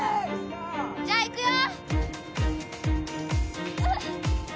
じゃあいくよ。